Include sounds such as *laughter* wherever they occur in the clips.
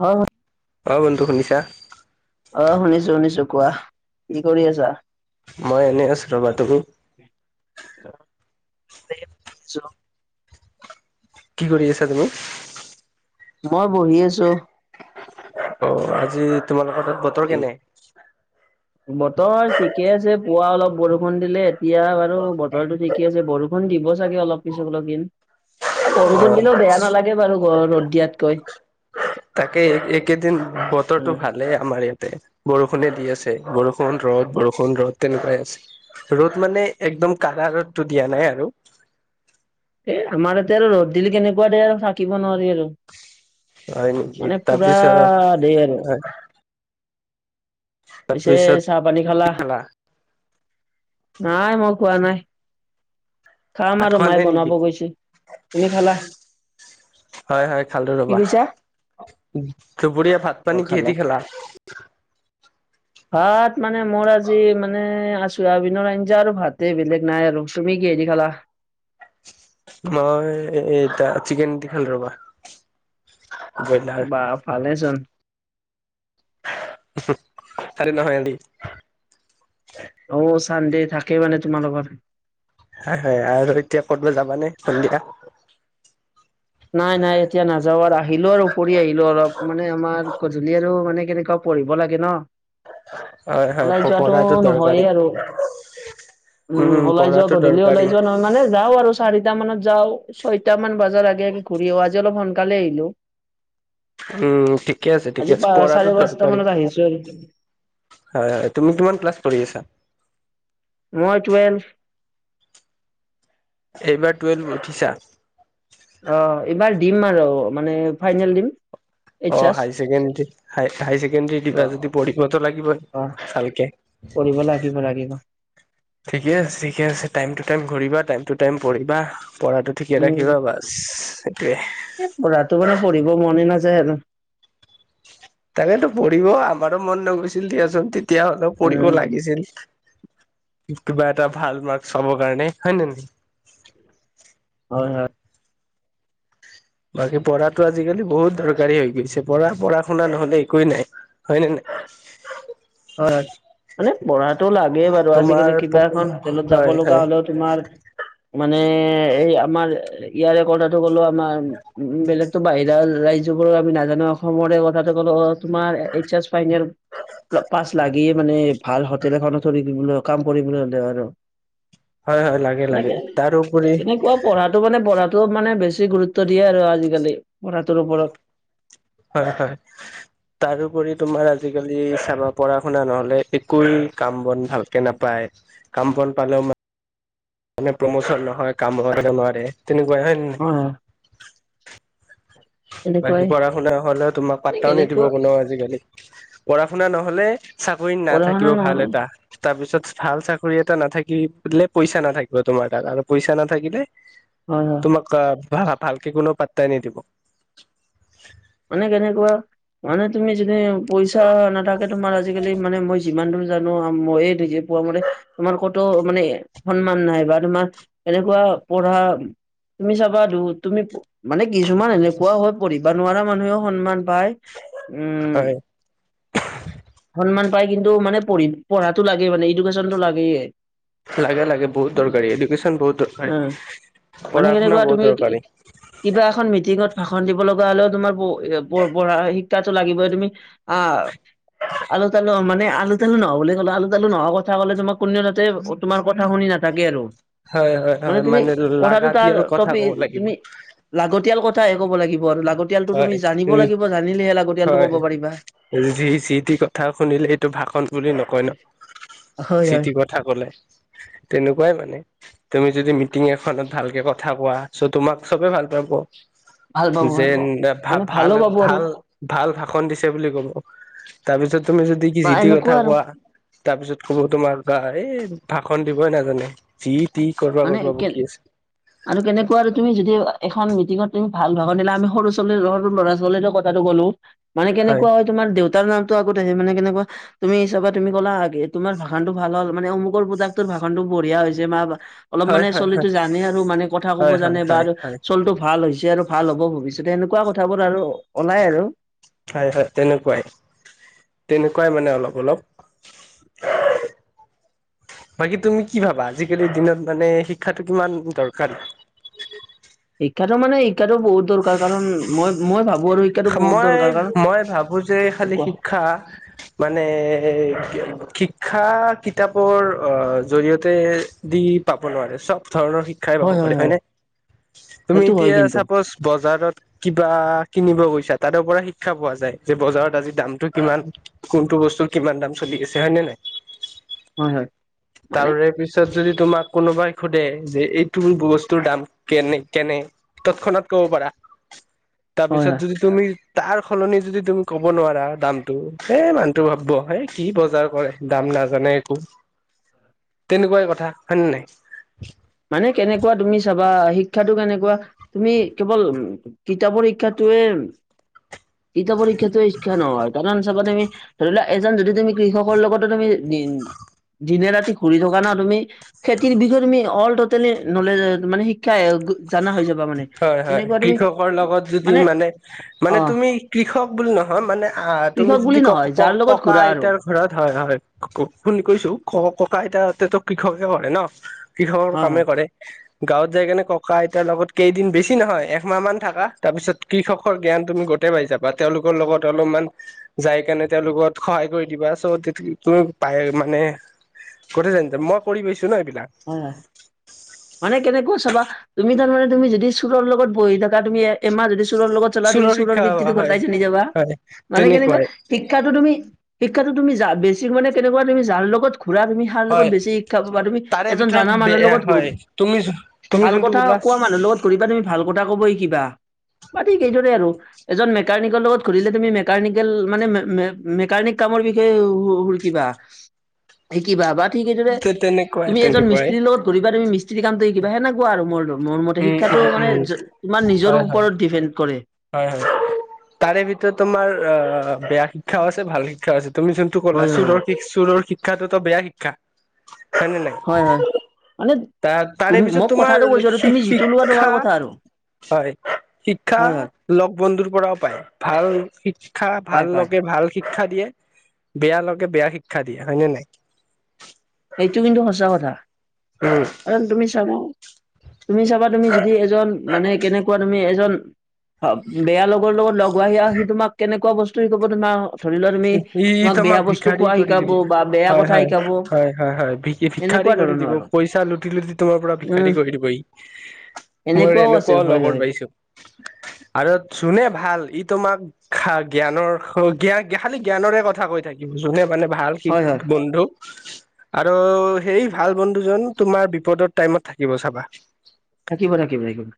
হয়, হয়। অ' বন্ধু শুনিছা? অ' শুনিছোঁ, শুনিছোঁ কোৱা কি কৰি আছা? মই এনেই আছো ৰ'বা তুমি? কি কৰি আছা তুমি? মই বহি আছোঁ। অ' আজি তোমালোকৰ তাত বতৰ কেনে? বতৰ ঠিকে আছে পুৱা অলপ বৰষুণ দিলে এতিয়া বাৰু বতৰটো ঠিক ঠিকে আছে, বৰষুণ দিব চাগে অলপ পিছত অলপ দিন। এ, অ বৰষুণ দিলেওঁ বেয়া নালাগে বাৰু *unintelligible* ৰ'দ দিয়াতকৈ। তাকে এইকেইদিন বতৰটো ভালেই আমাৰ ইয়াতে, বৰষুণে দি আছে বৰষ বৰষুণ ৰ'দ, বৰষুণ ৰ'দ তেনেকুৱাই আছে ৰ'দ মানে, একদম কাঢ়া ৰ'দটো দিয়া নাই আৰু। এ, আমাৰ ইয়াতে আৰু ৰ'দ দিলি কেনেকুৱা দে আৰু থাকিব নোৱাৰি আৰু। হয় নেকি মানে পুৰা তাৰপিছত দেই আৰু। হয় পিছে, তাৰপিছত চাহ-পানী খালা নাই মই খোৱা নাই। খাম ভাত আৰু, খোৱা মায়ে নাই নেকি বনাব গৈছে। তুমি খালা? হয়, হয় খালো কি ৰ'বা কৈছা? দুপৰীয়া ভাত পানী অ' কিহেদি খালা? *inaudible* ভাত মানে মোৰ আজি মানে, আ চয়াবিনৰ আঞ্জা আৰু ভাতে বেলেগ নাই আৰু তুমি কিহে দি খালা? মই এ, এতিয়া চিকেন দি খালোঁ ৰ'বা। ব্ৰইলাৰ বা ভালেচোন। আৰে নহয় *unintelligible* অ' চানডে থাকেই মানে তোমালোকৰ। হয়, হয়, আৰু এতিয়া ক'তবা যাবা নে সন্ধিয়া? নাই, নাই এতিয়া নাযাওঁ আৰ আহিলোঁ আৰু ফুৰি আহিলোঁ অলপ মানে আমাৰ গধূলি আৰু মানে কেনেকুৱা পঢ়িব লাগে ন, হয় হয় ওলাই যোৱাটো পঢ়াটো দৰকাৰী। নহয়ে আৰু। উম, ওলাই যোৱা পঢ়াটো গধূলি দৰকাৰী ওলাই যোৱা নহয়, মানে যাওঁ আৰু চাৰিটা মানত যাওঁ, ছয়টা মান বজাৰ আগে, আগে ঘূৰি আহোঁ। আজি অলপ সোনকালে আহিলোঁ। উম, ঠিকে আছে, ঠিকে আজি আছে পা পঢ়াটো চাৰে পাঁচটা দৰকাৰী। মানত আহিছো আৰু হয়, হয়, তুমি কিমান ক্লাছ পঢ়ি আছা? মই টুৱেলফ। এইবাৰ টোৱেলভ উঠিছা? অ, এইবাৰ দিম আৰ মানে, ফাইনেল দিম। এইচ অ' S high secondary high high secondary অ দিবা যদি পঢ়িবতোঁ লাগিবই। ভালকে। পঢ়িব লাগিব, লাগিব। ঠিকে আছে, ঠিকে আছে। টাইম টু টাইম ঘূৰিবা, টাইম টু টাইম পঢ়িবা, পঢ়াটো ঠিকে উম ৰাখিবা বাছ সেইটোৱে। এ, পঢ়াটো মানে, পঢ়িব মনে নাযায় আৰু। তাকেতো পঢ়িব আমাৰো মন নগৈছিল দিয়াচোন, তেতিয়া হ'লেওঁ পঢ়িব উম লাগিছিল। কিবা এটা ভাল মাৰ্কচ পাব কাৰণে, হয় নে নহয়? হয়, হয়। বাকী পঢ়াটো আজিকালি বহুত দৰকাৰী হৈ গৈছে। পঢ়া-পঢ়া-শুনা নহ'লে একোৱেই নাই। হয় নে নাই? হয় হয় মানে পঢ়াটো লাগেই বাৰু তোমাৰ আজিকালি কিবা এখন হোটেলত যাব হয় লগা হয় হ'লোত তোমাৰ মানে এই আমাৰ ইয়াৰে কথাটো ক'লো আমাৰ উ বেলেগতো বাহিৰা ৰাজ্যবোৰ আমি নাজানো অসমৰে কথাটো ক'লো তোমাৰ এইচ এচ ফাইনেল প্ল পাছ লাগেই মানে ভাল হোটেল এখন থৰি দিবলৈও কাম কৰিবলৈ হ'লে আৰু। হয় হয় লাগে লাগে, তাৰোপৰি টো মানে বঢ়াটো মানে বেছি গুৰুত্ব দিয়ে আৰু আজিকালি পঢ়াটোৰ ওপৰত। হয় হয়। তাৰোপৰি তোমাৰ আজিকালি চাবা পঢ়া-শুনা নহলে একোৱে কাম বন ভাল কে নাপায় কাম বন পালেও মা মানে প্ৰমোচন নহয় কাম *unintelligible* নোৱাৰে তেনেকুৱা হয়ন অ। বাকী তেনেকুৱাই পঢ়া-শুনা নহ'লে তোমাক মানে পাতাও নিদিব কেনেকুৱা কোনো আজিকালি। পঢ়া-শুনা নহ'লে চাকৰি পঢ়া নাথাকিব শুনা ভাল নহলে এটা। তাৰ পিছত ভাল চাকৰি এটা নাথাকিলে পইচা নাথাকিব তোমাৰ তাত আৰু পইচা নাথাকিলে *inaudible* হয় হ। তোমাক কা ভা ভালকে কোনো পাত্তাই নিদিব। মানে কেনেকুৱা মানে তুমি যদি পইচা নাথাকে তোমাৰ আজিকালি মানে মই যিমানটো জানো মইয়ে নিজে পোৱা মতে তোমাৰ ক'তো মানে সন্মান নাই বা তোমাৰ এনেকুৱা পঢ়া তুমি চাবা দো তুমি মানে কিছুমান এনেকুৱা হয় পঢ়িব নোৱাৰা মানুহেও সন্মান পায়, উম হয় সন্মান পাই কিন্তু মানে পঢ়ি পঢ়াটো লাগে মানে ইডুকেশ্যনটো লাগে। লাগে লাগে বহুত দৰকাৰী ইডুকেশ্যন বহুত অ দৰকাৰী মানে কেনেকুৱা পঢ়া-শুনা বহুত তুমি দৰকাৰী। কিবা এখন মিটিঙত ভাষণ দিব লগা হ'লেও তোমাৰ পো এ পঢ় পঢ়া শিক্ষাটো লাগিবই, তুমি আহ আলু তালু মানে আলু তালু নহয় বুলি ক'লে আলু তালু নহয় কথা ক'লে তোমাক কোনেও তাতে অত তোমাৰ কথা শুনি নাথাকে আৰু হয় হয় মানে হয় তুমি কথাটো তাৰ লাগাতিয়াল কথা টপি ক'ব লাগিব তুমি লাগতিয়াল কথাহে ক'ব লাগিব আৰু লাগতিয়া হয় উ হয় ক'ব পাৰিবা। যি যিটি কথা শুনিলেত টো ভাষণ বুলি নকয় ন। হয় যি হয়। টি কথা ক'লে তেনেকুৱাই মানে। তুমি যদি মিটিং এখনত ভালকে কথা কোৱা চ তোমাক চবে ভাল পাব। ভাল পাব, যে ভাল পাব ভা মানে ভাল ভালো পাব আৰু। ভাল ভাল ভাষণ দিছে বুলি ক'ব, তাৰপিছত তুমি যদি কি বা যি টি কথা এনেকুৱা আৰু কোৱা তাৰ পিছত ক'ব তোমাৰ গা এই ভাষণ দিবই নাজানে যি তি ক'ৰবা ক'ৰবা মানে বকি আছে। আৰু কেনেকুৱা আৰু তুমি যদি এখন মিটিঙত তুমি ভাল ভাষন দিলা আমি ছোৱালী সৰু ল'ৰা-ছোৱালী লগত তাটো গ'লো মানে কেনেকুৱা হয় তোমাৰ দেউতাৰ নামটো আগত আহে মানে কেনেকুৱা তুমি হিচাপে তুমি কলা তোমাৰ ভাষনটো ভাল হ'ল মানে অমুকৰ পুতেক ভাষনটো বঢ়িয়া হৈছে বা অলপ হয় মানে হয় ছোৱালীটো জানে আৰু মানে কথা ক'ব হয় হয় জানে বা হয় আৰু হয় হয় ছোৱালীটো ভাল হৈছে আৰু ভাল হ'ব ভৱিষ্যতে এনেকুৱা কথাবোৰ আৰু ওলাই আৰু। হয় হয় তেনেকুৱাই, তেনেকুৱাই মানে অলপ অলপ। *inaudible* বাকী তুমি কি ভাবা? আজিকালিৰ দিনত মানে শিক্ষাটো কিমান দৰকাৰ? শিক্ষাটো মানে শিক্ষাটো বহুত দৰকাৰ কাৰণ মই মই ভাবো আৰু শিক্ষাটো বহুত মই দৰকাৰ কাৰণ মই ভাবো যে খালি শিক্ষা মানে শিক্ষা কিতাপৰ আহ জৰিয়তে দি পাব নোৱাৰে। চব ধৰণৰ শিক্ষা খাই পাব হয় পাৰি হয় হয় হয়নে? তুমি সেইটো হয় এতিয়া কিন্তু চাপ'জ বজাৰত কিবা কিনিব গৈছা তাৰ পৰা শিক্ষা পোৱা যায়, যে বজাৰত আজি দামটো কিমান কোনটো বস্তু কিমান দাম চলি আছে হয় নে নাই? হয় হয় মানে তাৰে পিছ তাৰ পিছত যদি তোমাক কোনোবাই সোধে যে এইটো বস্তুৰ দাম কেনে কেনে তৎক্ষণাত ক'ব পাৰা। হয় হয় তাৰপিছত যদি তুমি তাৰ সলনি যদি তুমি ক'ব নোৱাৰা দামটো, হে‌ মানুহটো ভাবিব হে কি বজাৰ কৰে। দাম নাজানে একো। তেনেকুৱাই কথা হয় নে নে নাই? মানে কেনেকুৱা তুমি চাবা, শিক্ষাটো কেনেকুৱা তুমি কেৱল উ কিতাপৰ শিক্ষাটোৱে কিতাপৰ শিক্ষা নহয় কাৰণ চাবা তুমি ধৰি লোৱা এজন যদি তুমি কৃষকৰ লগতো তুমি দিনে ৰাতি ঘূৰি থকা ন তুমি খেতিৰ বিষয়ে তুমি অল *unintelligible* নলেচ মানে শিক্ষা জনা হৈ যাব হয় হয় কৃষকৰ লগত যদি মানে, মানে অ তুমি কৃষক বুলি নহয় মানে আ তুমি কৃষক যদি বুলি নহয় যাৰ লগত ক-ক-ককা ঘূৰা আৰু আইতাৰ ঘৰত হয় হয় শু-শুনি কৈছো ক-ককা আইতাহতে কৃষকে কৰে ন। কৃষকৰ হয় কামে হয় কৰে। গাঁৱত যাই কেনে ককা আইতাৰ লগত কেইদিন বেছি নহয় একমাহ মান থাকা, তাৰ পিছত কৃষকৰ জ্ঞান তুমি গোটেই পাই যাবা। তেওঁলোকৰ লগত অলপমান যাই কেনে তেওঁলোকত সহায় কৰি দিবা চ তুমি পায় মানে গোটেই *unintelligible* মই কৰি পাইছো ন এইবিলাক। হয় হয়। মানে কেনেকুৱা চাবা তুমি তাৰমানে তুমি যদি চোৰৰ লগত বহি থাকা তুমি এমাহ যদি চোৰৰ লগত চলা তুমি চোৰৰ শিক্ষা ভিত্তিতো হয় গোটাই জানি যাবা, হয় মানে কেনেকুৱা তেনেকুৱাই শিক্ষাতো তুমি, শিক্ষাতো তুমি যা বেছিক মানে কেনেকুৱা তুমি যাৰ লগত ঘুৰা তুমি তাৰ লগত হয় বেছি শিক্ষা পাবা তুমি তাৰে এজন ভিতৰত জানা মানুহৰ বেয়া লগত *unintelligible* হয় তুমি তুমি ভাল যোনটো কথা ওলা কোৱা মানুহ লগত ঘূৰিবা তুমি ভাল কথা কব শিকিবা বা ঠিক এইদৰে আৰু এজন মেকানিকেল লগত ঘূৰিলে তুমি মেকানিকেল মানে মে-মে-মেকানিক কামৰ বিষয়ে শু-শু-শিকিবা। শিকিবা বা ঠিক সেইদৰে তেনেকুৱাই তুমি এজন তেনেকুৱাই মিস্ত্ৰী লগত ঘুৰিবা তুমি মিস্ত্ৰী কামটো কিবা সেনেকোৱা আৰু মোৰ মোৰ মতে উম শিক্ষাটো উম মানে উম তোমাৰ নিজৰ হয় হয় ওপৰত ডিপেণ্ড কৰে। হয় হয়। তাৰে ভিতৰত তোমাৰ অ বেয়া শিক্ষাও আছে ভাল শিক্ষাও আছে। তুমি যোন কলা হয় হয় চুৰৰ চুৰৰ শিক্ষাটো বেয়া শিক্ষা হয় নে নাই? হয় হয় হয় মানে তা-তাৰে তুম পিছত মই তোমাৰ কথাটো কৈছো আৰু তুমি যিটো লোৱা তোমাৰ শি-শিক্ষা কথা আৰু হয় শিক্ষা হয় হয় লগ বন্ধুৰ পৰাও পায়। ভাল শিক্ষা পায় ভাল পায় লগে ভাল শিক্ষা দিয়ে, বেয়া লগে বেয়া শিক্ষা দিয়ে। হয় নে নাই? সেইটো কিন্তু সঁচা কথা। উম। কাৰণ তুমি চাবা, তুমি চাবা তুমি যদি এজন মানে কেনেকা কোৱা তুমি এজন বেয়া লগৰ লগত লগ হোৱা সেয়া সি তোমাক কেনেকুৱা বস্তু শিকাব তোমাৰ ধৰি লোৱা তুমি, ই ই তোমাক বেয়া বস্তু ভিক্ষাৰী খোৱা কৰি দিব। শিকাব বা বেয়া হয় কথা হয় শিকাব। হয় হয়, হয় ভি ভিক্ষাৰী এনেকুৱা কৰি ধৰণৰ দিব, আৰু পইচা লুটি লুটি তোমাৰ পৰা ভিক্ষাৰী উম কৰি দিব ই। মই আছে এনেকুৱাও হয় লগৰ হয় পাইছো। আৰু যোনে ভাল সি তোমাক খা জ্ঞানৰ স জ্ঞান খালি জ্ঞানৰে কথা কৈ থাকিব যোনে মানে ভাল সি হয় হয় বন্ধু। আৰু সেই ভাল বন্ধুজন তোমাৰ বিপদৰ টাইমত থাকিব চাবা। থাকিব থাকিব একেবাৰে।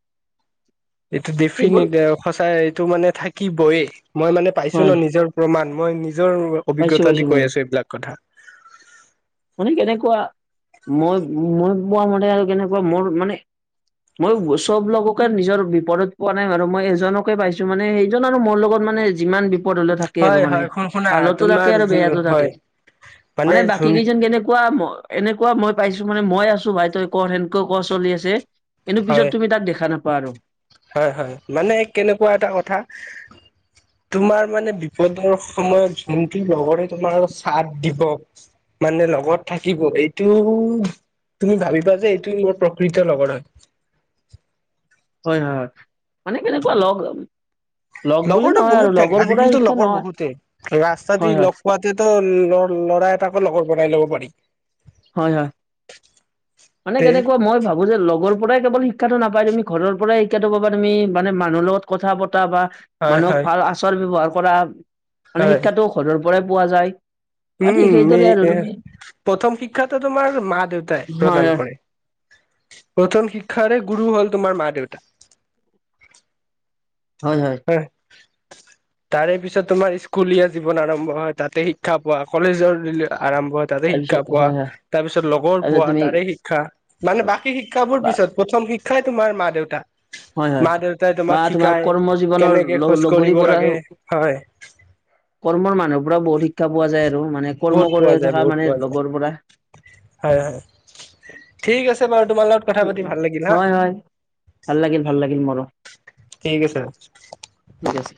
এইটো ডেফিনিট সঁচাই এইটো মানে থাকিবই। মই মানে পাইছো ন হয় নিজৰ প্ৰমাণ মই নিজৰ পাইছো, অভিজ্ঞতা দি পাইছো কৈ মইয়ো। আছো এইবিলাক *unintelligible* মানে কেনেকুৱা মই মই পোৱা মতে আৰু কেনেকুৱা মোৰ মানে মই চব লগক নিজৰ বিপদত পোৱা নাই বাৰু, মই এজনকে পাইছো মানে সেইজন আৰু মোৰ লগত মানে যিমান বিপ পদ হ'লেও থাকে আৰু হয় মানে। হয় শুন শুনা ভালতো থাকে তোমাৰ আৰু বেয়াতো হয় থাকে। মানে বাকী কেইজন কেনেকুৱা এনেকুৱা মই পাইছো মানে মই আছো ভাই তই কৰ, সেনকে কোৱা চলি আছে। কিন্তু পিছত হয় তুমি তাক দেখা নাপ পা আৰু। হয়, হয়। মানে কেনেকুৱা এটা কথা তোমাৰ মানে বিপদৰ সময়ত যোনটোৰ লগৰে তোমাৰ চাথ দিব। মানে লগত থাকিব। এইটো তুমি ভাবিবা যে এইটো মোৰ প্ৰকৃত লগৰ হয়। হয়, হয়, মানে তেনেকুৱা লগ লগ বুলি লগৰটো নহয় আৰু বহুত থাকে, লগৰ পৰাই আজিকালিতো শিক্ষা লগৰ নহয় বহুতেই ৰাস্তা হয় দি হয় লগ- পোৱাটেতো ল ল'ৰা এটাকো লগৰ বনাই ল'ব পাৰি। হয়, হয়। মানে তে কেনেকুৱা মই ভাবো যে লগৰ পৰাই কেৱল শিক্ষাটো নাপায়। তুমি ঘৰৰ পৰাই শিক্ষাটো পাবা তুমি মানে মানুহৰ লগত কথা পতা বা হয় মানুহক হয় ভাল আচাৰ-ব্যৱহাৰ কৰা মানে হয় শিক্ষাটো ঘৰৰ পৰাই পোৱা যায়। আৰু উম, ঠিক উম। মে সেইদৰে আৰু তুমি প্ৰথম শিক্ষাটো তোমাৰ মা দেউতাই হয় প্ৰদান হয় কৰে। প্ৰথম শিক্ষাৰে গুৰু হ'ল তোমাৰ মা দেউতা। হয়, হয়। হয়। তাৰে পিছত তোমাৰ স্কুলীয়া জীৱন আৰম্ভ হয়, তাতে শিক্ষা পোৱা কলেজৰ আৰম্ভ তাৰে শিক্ষা তাৰপিছত পোৱা, হয় হয় তাৰ পিছত লগৰ তাৰপিছত পোৱা তুমি তাৰে শিক্ষা মানে বাকী শিক্ষাবোৰ বা পিছত। প্ৰথম শিক্ষাই তোমাৰ মা দেউতা। হয় হয় মা দেউতাই বা তোমাক তোমাৰ শিকায়। কৰ্ম জীৱনৰ কেনেকে খোজ লগৰী কাঢ়িব পৰা লাগে হয়। কৰ্মৰ মানুহৰ পৰা বহুত শিক্ষা পোৱা যায় আৰু। মানে বহুত কৰ্ম পোৱা কৰি যায় থকা বহুত মানে পোৱা যায় লগৰ পৰা। হয়, হয়। ঠিক আছে বাৰু তোমাৰ লগত কথা পাতি ভাল লাগিল হা'। হয় হয় ভাল লাগিল, ভাল লাগিল মোৰো। ঠিক আছে। ঠিক আছে